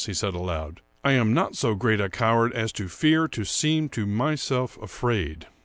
" he said aloud ;" I am not so great a cow ard as to fear to seem to myself afraid."